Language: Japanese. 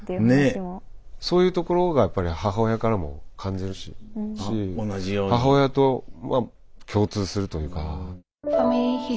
そういうところが母親からも感じるし母親と共通するというか。